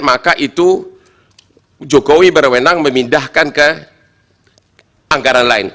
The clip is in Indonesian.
maka itu jokowi berwenang memindahkan ke anggaran lain